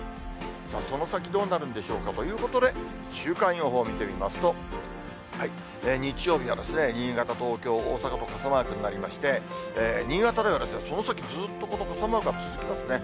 その先どうなるんでしょうかということで、週間予報見てみますと、日曜日は新潟、東京、大阪と傘マークになりまして、新潟ではその先、ずっとこの傘マークが続きますね。